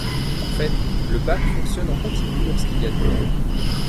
En fait, le bac fonctionne en continu lorsqu'il y a du monde.